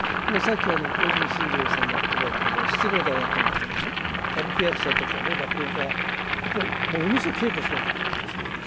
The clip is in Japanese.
小泉進次郎さんの言葉で失礼だなと思ったのは、歌舞伎役者とか落語家、ものすごい稽古しなきゃいけないでしょう？